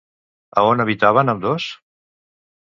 A on habitaven ambdós?